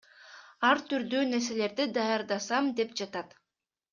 Ар түрдүү нерселерди даярдасам деп жатам.